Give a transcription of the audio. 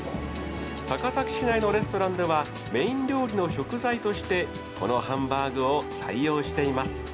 高崎市内のレストランではメイン料理の食材としてこのハンバーグを採用しています。